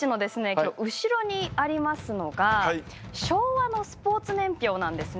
今日後ろにありますのが昭和のスポーツ年表なんですね。